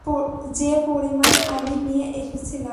যে পরিমাণ আমি নিয়ে এসেছিলাম।